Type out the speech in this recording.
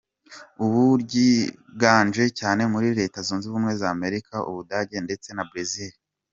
Ubu ryiganje cyane muri Leta Zunze Ubumwe za Amerika, u Budage ndetse na Brazil.